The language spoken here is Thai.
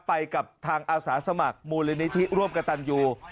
ไปกับทางอาสาสมัครมูลนิธิร่วมกับตันยู